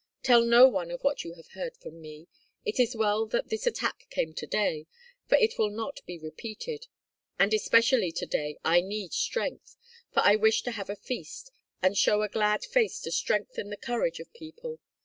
Tell no one of what you have heard from me. It is well that this attack came to day, for it will not be repeated; and especially to day I need strength, for I wish to have a feast, and show a glad face to strengthen the courage of people.